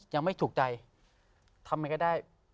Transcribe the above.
ยังไม่ถูกใจทำยังไงก็ได้